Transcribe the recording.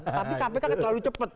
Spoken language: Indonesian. tapi kpk kan terlalu cepet